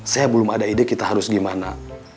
saya belum ada ide kita harus gimana